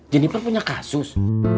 gineper punya kasus